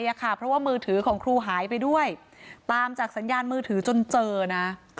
เพราะว่ามือถือของครูหายไปด้วยตามจากสัญญาณมือถือจนเจอนะ